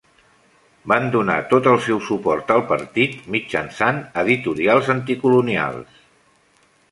Van donar tot el seu suport al partit mitjançant editorials anticolonials.